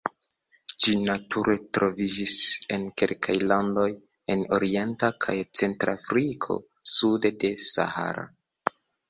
Ĝi nature troviĝis en kelkaj landoj en Orienta kaj Centra Afriko sude de Sahara.